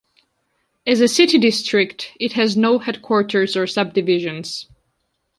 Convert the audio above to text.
As a city district, it has no headquarters or subdivisions.